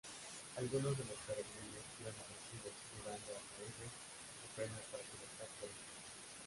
Algunos de los peregrinos iban ofrecidos, llevando ataúdes y ofrendas para subastar por ellas.